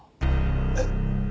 えっ？